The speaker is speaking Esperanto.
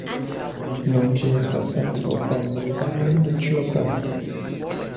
Nun ĝi estas centro por najbaraj loĝlokoj.